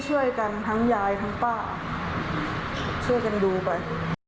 ช่วยกันทั้งยายทั้งป้าช่วยกันดูไป